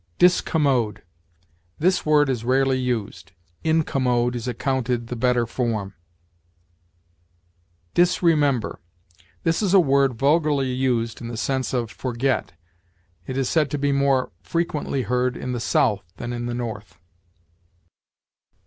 DISCOMMODE. This word is rarely used; incommode is accounted the better form. DISREMEMBER. This is a word vulgarly used in the sense of forget. It is said to be more frequently heard in the South than in the North.